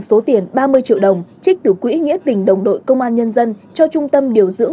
số tiền ba mươi triệu đồng trích từ quỹ nghĩa tình đồng đội công an nhân dân cho trung tâm điều dưỡng